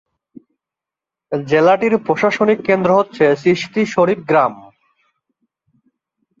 জেলাটির প্রশাসনিক কেন্দ্র হচ্ছে চিশতি শরীফ গ্রাম।